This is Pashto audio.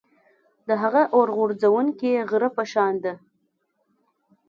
د هغه اور غورځوونکي غره په شان ده.